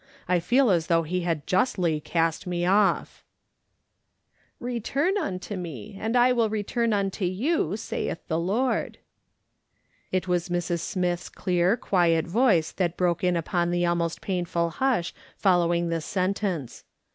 I feel as though he had justly cast me off! " 1 54 ^^^^ SOLOMON SMITH LOOKING ON. " ricturn unto rae, and I will return unto you, saith the Lord." It was Mrs. Smith's clear, quiet voice that broke in upon the almost painful hush following this sentence.